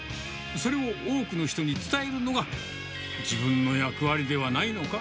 それを多くの人に伝えるのが、自分の役割ではないのか？